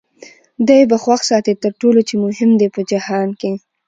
دی به خوښ ساتې تر ټولو چي مهم دی په جهان کي